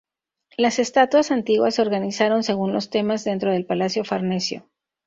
Las estatuas antiguas se organizaron según los temas dentro del Palacio Farnesio.